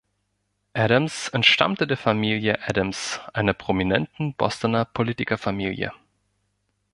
Adams entstammte der Familie Adams, einer prominenten Bostoner Politikerfamilie.